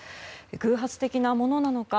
偶発的なものなのか